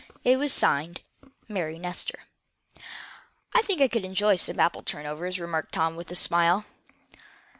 It was signed: Mary Nestor. "I think I could enjoy some apple turnovers," remarked Tom, with a smile.